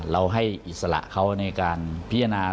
เราให้อิสระเขาในการพิจารณา